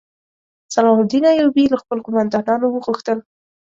صلاح الدین ایوبي له خپلو قوماندانانو وغوښتل.